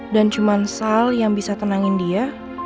dan cuma sal yang bisa tenangin dia